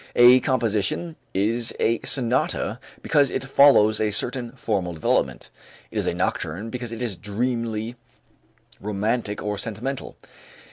A composition is a sonata because it follows a certain formal development. It is a nocturne because it is "dreamily romantic or sentimental."